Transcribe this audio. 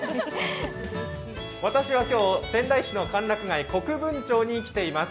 私は今日、仙台市の歓楽街、国分町に来ています。